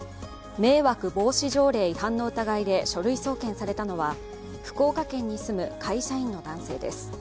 迷惑防止条例違反の疑いで書類送検されたのは福岡県に住む会社員の男性です。